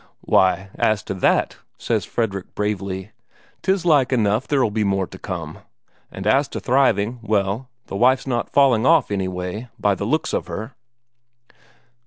"Why, as to that," says Fredrik bravely, "'tis like enough there'll be more to come. And as to thriving well, the wife's not falling off anyway, by the looks of her."